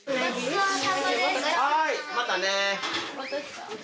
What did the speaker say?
はーい！またね！